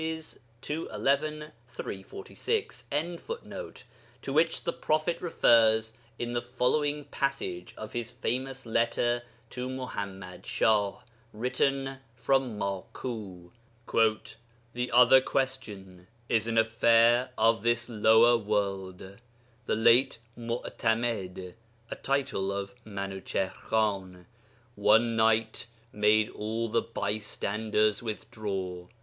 pp. 211, 346.] to which the prophet refers in the following passage of his famous letter to Muḥammad Shah, written from Maku: 'The other question is an affair of this lower world. The late Meu'timed [a title of Minuchihr Khan], one night, made all the bystanders withdraw